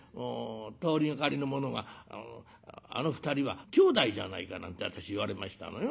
通りがかりの者があの２人はきょうだいじゃないかなんて私言われましたのよ。